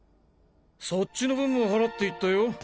そっちの分も払っていったよ